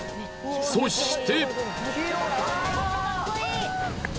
そして。